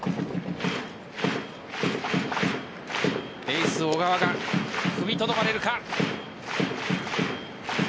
エース・小川が踏みとどまれるか。